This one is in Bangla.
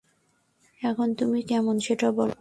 এখন তুমি কেমন, সেটা বল।